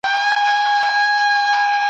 ځه چي دواړه د پاچا کورته روان سو ,